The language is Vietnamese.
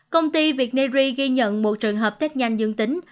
công ty vietnay ghi nhận một trường hợp test nhanh dương tính